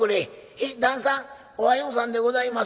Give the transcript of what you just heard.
「へい旦さんおはようさんでございます」。